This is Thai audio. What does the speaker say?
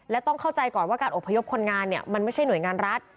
และต้องเข้าใจก่อนว่าการอบพยพคนงานเนี่ยมันไม่ใช่หน่วยงานรัฐ